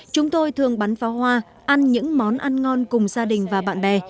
chúng tôi thường bắn pháo hoa ăn những món ăn ngon cùng gia đình và bạn bè